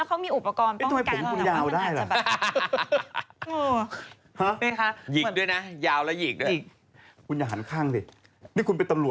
ต้องมีมานานแล้ว